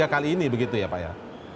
tiga kali ini begitu ya pak ya